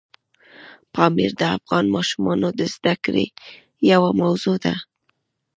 پامیر د افغان ماشومانو د زده کړې یوه موضوع ده.